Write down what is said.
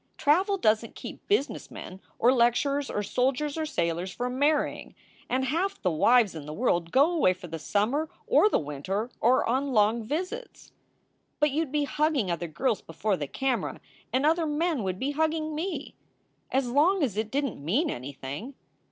"Travel doesn t keep business men or lecturers or soldiers or sailors from marrying, and half the wives in the world go away for the summer or the winter or on long visits." "But you d be hugging other girls before the camera and other men would be hugging me." "As long as it didn t mean anything."